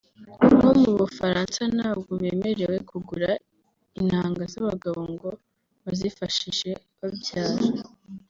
nko mu Bufaransa ntabwo bemerewe kugura intanga z’abagabo ngo bazifashishe babyara